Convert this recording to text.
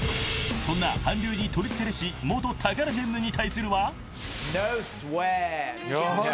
［そんな韓流に取りつかれし元タカラジェンヌに対するは］